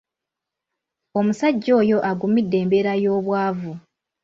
Omusajja oyo agumidde embeera y'obwavu.